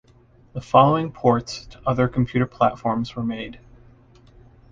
The following ports to other computer platforms were made.